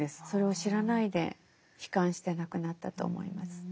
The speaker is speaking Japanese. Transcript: それを知らないで悲観して亡くなったと思います。